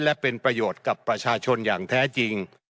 และเป็นประโยชน์กับประชาชนอย่างแท้จริง